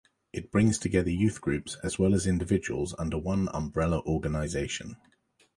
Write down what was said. It brings together youth groups as well as individuals under one umbrella organisation.